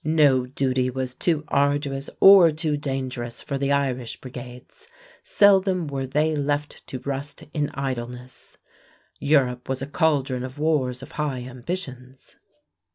No duty was too arduous or too dangerous for the Irish Brigades. Seldom were they left to rust in idleness. Europe was a caldron of wars of high ambitions.